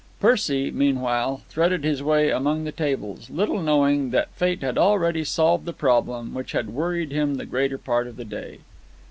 Percy, meanwhile, threaded his way among the tables, little knowing that fate had already solved the problem which had worried him the greater part of the day.